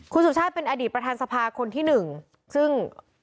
คุณสุชาติเป็นอดีตประธานสภาคนที่หนึ่งซึ่ง